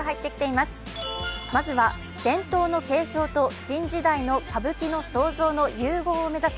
まずは伝統の継承と新時代の歌舞伎の融合を目指す